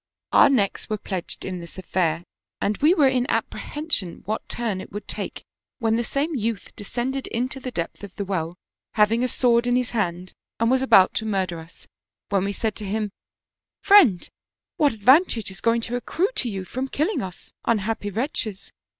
" Our necks were pledged in this affair and we were 176 The King Who Made Mats in apprehension what turn it would take when the same youth descended into the depth of the well, having a sword in his hand, and was about to murder us, when we said to him :' Friend ! What advantage is going to accrue to you from killing us, unhappy wretches!